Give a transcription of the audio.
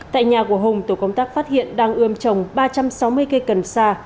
tại nhà của hùng tổ công tác phát hiện đang ươm chồng ba trăm sáu mươi cây cần xa